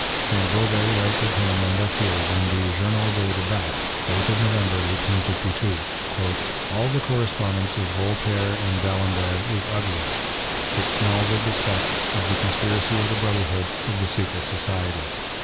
St. Beauve writes of him and of his, in the Journal des Dehats^ 8 November, 1852 :— "All the correspondence of Voltaire and D'Alembert is ugly. It smells of the sect, of the conspiracy of the Brotherhood, of the secret society.